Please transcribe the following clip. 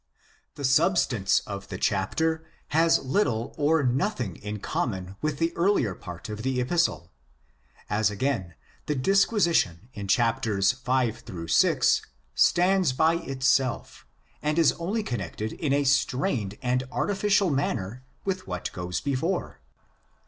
The substance of the chapter has little or nothing in common with the earlier part of the Epistle, as again the disquisition in cc. v.—vi. stands by itself, and is only connected in a strained and artificial manner with what goes before.